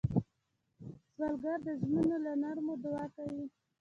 سوالګر د زړونو له نرمو دعا کوي